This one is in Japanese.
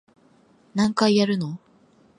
何回やるの